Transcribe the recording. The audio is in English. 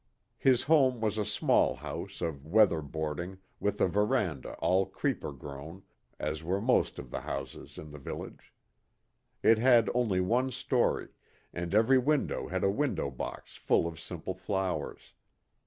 His home was a small house of weather boarding with a veranda all creeper grown, as were most of the houses in the village. It had only one story, and every window had a window box full of simple flowers.